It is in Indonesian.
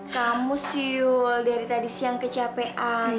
kamu sih yul dari tadi siang kecapean